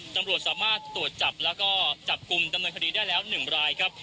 ตำรวจสามารถตรวจจับแล้วก็จับกลุ่มดำเนินคดีได้แล้ว๑รายครับ